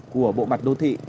của bộ mặt đô thị